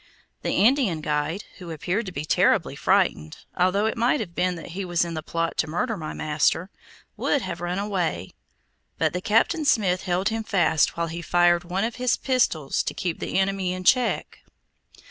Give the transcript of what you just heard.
The Indian guide, who appeared to be terribly frightened, although it might have been that he was in the plot to murder my master, would have run away; but that Captain Smith held him fast while he fired one of his pistols to keep the enemy in check.